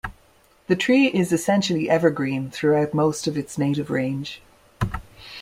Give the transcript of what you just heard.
The tree is essentially evergreen throughout most of its native range.